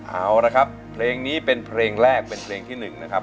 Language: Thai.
เอาละครับเพลงนี้เป็นเพลงแรกเป็นเพลงที่๑นะครับ